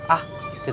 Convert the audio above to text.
ah itu cuma karena